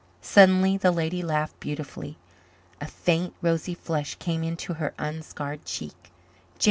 Suddenly the lady laughed beautifully. A faint rosy flush came into her unscarred cheek.